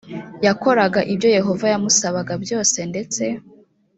yakoraga ibyo yehova yamusabaga byose ndetse